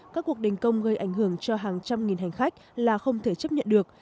các cuộc đình công gây ảnh hưởng cho hàng trăm nghìn hành khách là không thể chấp nhận được